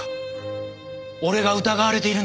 俺が疑われているんですか？